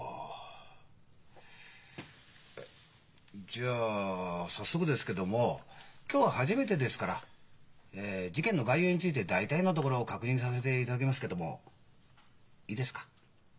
じゃあ早速ですけども今日は初めてですから事件の概要について大体のところを確認させていただきますけどもいいですか？